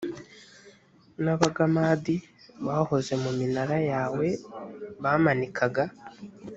n abagamadi bahoze mu minara yawe bamanikaga